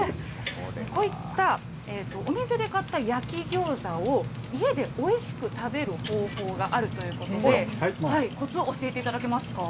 こういったお店で買った焼きギョーザを、家でおいしく食べる方法があるということで、こつ、教えていただけますか。